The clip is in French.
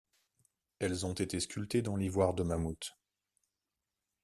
Elles ont été sculptées dans l'ivoire de mammouth.